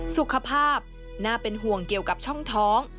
สุขภาพน่าเป็นห่วงเกี่ยวกับช่องท้อง